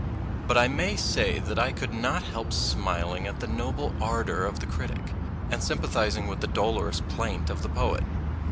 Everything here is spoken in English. But I may say that I could not help smiling at the noble ardour of the critic, and sympathizing with the dolorous plaint of the poet.